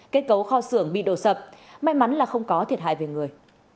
kết cấu kho xưởng bị đổ sập may mắn là không có thiệt hại về người